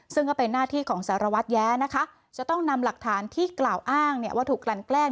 ซึ่งก็เป็นหน้าที่ของสารวัตรแย้นะคะจะต้องนำหลักฐานที่กล่าวอ้างว่าถูกกลั่นแกล้ง